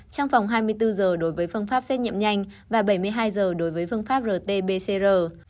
trong vòng hai mươi bốn giờ đối với phương pháp xét nghiệm nhanh và bảy mươi hai giờ đối với phương pháp rt pcr